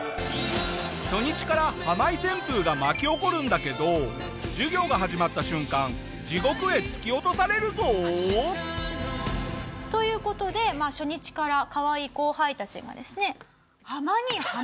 初日からハマイ旋風が巻き起こるんだけど授業が始まった瞬間地獄へ突き落とされるぞ。という事でまあ初日からかわいい後輩たちがですね。